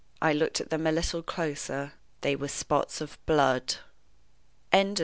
I looked at them a little closer. They were spots of blood. CHAPTER V.